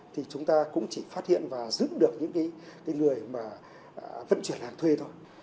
thì chúng ta cũng chỉ phát hiện và giữ được những cái người mà vận chuyển hàng thuê thôi